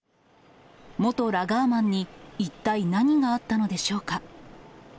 元ラガーマンに、一体何があったのでしょうか。